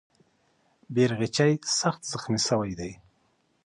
بیرغچی سخت زخمي سوی دی.